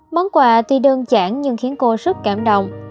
món quà tuy đơn giản nhưng khiến cô rất cảm động